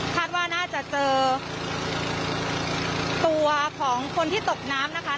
คาดว่าน่าจะเจอตัวของคนที่ตกน้ำนะคะ